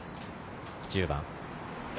１０番。